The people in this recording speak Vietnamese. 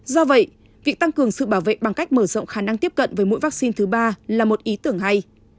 do vậy việc tăng cường sự bảo vệ bằng cách mở rộng khả năng tiếp cận với mũi vaccine thứ ba là một ý tưởng hay